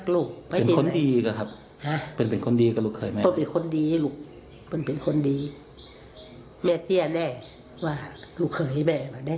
ลูกเขยเป็นแบบนี้ครับ